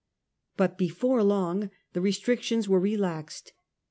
But before long the restrictions were relaxed.